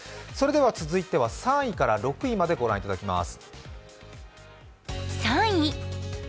続いては３位から６位まで御覧いただきます。